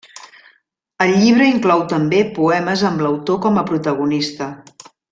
El llibre inclou també poemes amb l'autor com a protagonista.